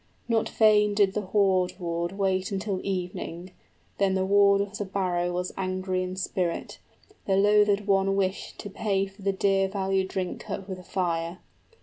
Not fain did the hoard ward Wait until evening; then the ward of the barrow Was angry in spirit, the loathèd one wished to Pay for the dear valued drink cup with fire.